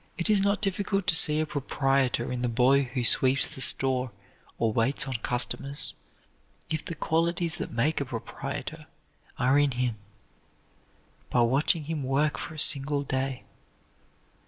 It is not difficult to see a proprietor in the boy who sweeps the store or waits on customers if the qualities that make a proprietor are in him by watching him work for a single day.